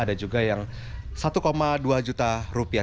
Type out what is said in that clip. ada juga yang satu dua juta rupiah